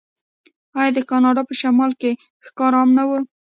آیا د کاناډا په شمال کې ښکار عام نه و؟